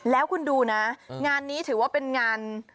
แล้วคุณดูนะงานนี้ถือว่าเป็นงาน